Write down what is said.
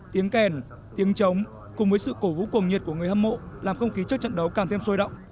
tiếng kèn tiếng trống cùng với sự cổ vũ cuồng nhiệt của người hâm mộ làm không khí trước trận đấu càng thêm sôi động